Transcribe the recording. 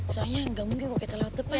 soalnya gak mungkin kalau kita lewat depan